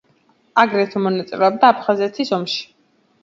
აგრეთვე მონაწილეობდა აფხაზეთის ომში.